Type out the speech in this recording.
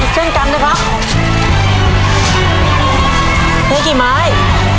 ตีซักคนละ๒๕ไม้นะครับ๕๐ไม้